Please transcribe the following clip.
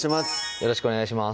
よろしくお願いします